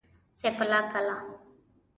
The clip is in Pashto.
سيف الله کلا